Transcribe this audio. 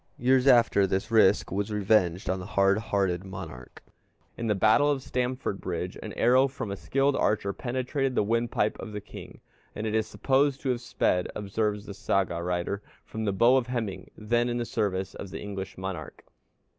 Years after, this risk was revenged upon the hard hearted monarch. In the battle of Stamfordbridge an arrow from a skilled archer penetrated the windpipe of the king, and it is supposed to have sped, observes the Saga writer, from the bow of Hemingr, then in the service of the English monarch.